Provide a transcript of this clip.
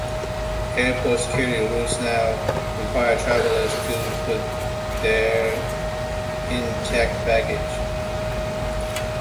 Airport security rules now require travellers to put their in checked baggage.